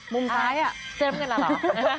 มุมซ้ายอ่ะเจ้มกันแล้วเหรอ